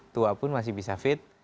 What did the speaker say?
tua pun masih bisa fit